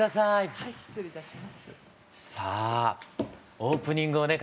さあオープニングをね